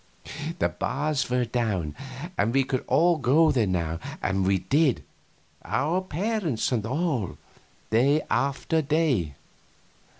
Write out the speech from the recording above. The bars were down, and we could all go there now, and we did our parents and all day after day.